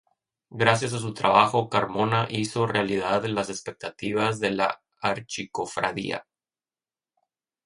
Gracias a su trabajo, Carmona hizo realidad las expectativas de la Archicofradía.